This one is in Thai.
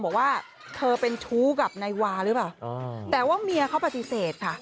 บอกว่าเธอเป็นชู้กับนายวาหรือเปล่าแต่ว่าเมียเขาปฏิเสธค่ะ